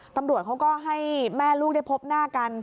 ตำรวจเขาก็ให้แม่ลูกได้พบหน้ากัน